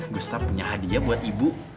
gusta punya hadiah buat ibu